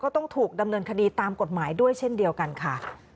ต้องถูกดำเนินคดีตามกฎหมายด้วยเช่นเดียวกันค่ะ